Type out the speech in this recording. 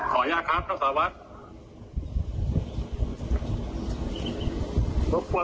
ขออนุญาตครับเจ้าสารวัฒน์